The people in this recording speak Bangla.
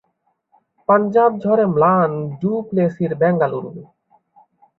পাঞ্জাব–ঝড়ে ম্লান ডু প্লেসির বেঙ্গালুরু